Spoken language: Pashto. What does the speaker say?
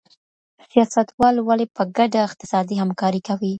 سیاستوال ولي په ګډه اقتصادي همکاري کوي؟